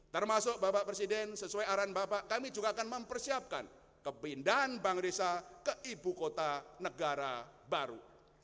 termasuk bapak presiden sesuai arahan bapak kami juga akan mempersiapkan kepindahan bank risa ke ibu kota negara baru